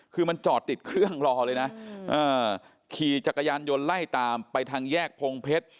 คือมันจอดติดเครื่องรอเลยนะขี่จักรยานยนต์ไล่ตามไปทางแยกพงเพชร